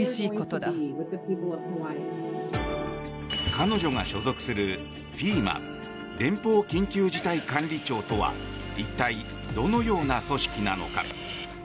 彼女が所属するＦＥＭＡ・連邦緊急事態管理庁とは一体、どのような組織なのか。